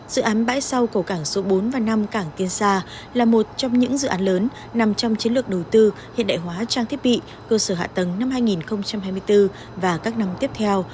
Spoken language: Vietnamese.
dự án bãi sau cầu cảng số bốn và năm cảng tiên sa là một trong những dự án lớn nằm trong chiến lược đầu tư hiện đại hóa trang thiết bị cơ sở hạ tầng năm hai nghìn hai mươi bốn và các năm tiếp theo